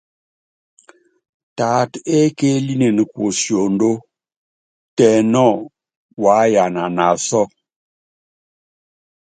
Taatá ékeélinen kuosiondó, tɛ nɔ, waá yana naasɔ́.